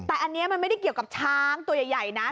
แต่อันนี้มันไม่ได้เกี่ยวกับช้างตัวใหญ่นะ